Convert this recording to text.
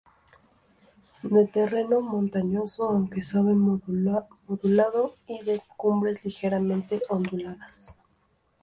De terreno montañoso aunque de suave modulado y de cumbres ligeramente onduladas.